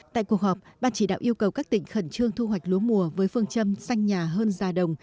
tại cuộc họp ban chỉ đạo yêu cầu các tỉnh khẩn trương thu hoạch lúa mùa với phương châm xanh nhà hơn già đồng